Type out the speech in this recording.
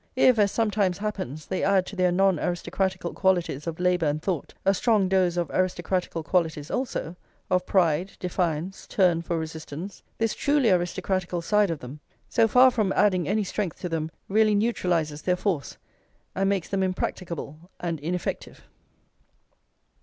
If, as sometimes happens, they add to their non aristocratical qualities of labour and thought, a strong dose of aristocratical qualities also, of pride, defiance, turn for resistance this truly aristocratical side of them, so far from adding any strength to them really neutralises their force and makes them impracticable and ineffective.